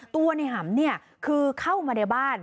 ตัวในหำเนี่ยคือเข้ามาในบ้าน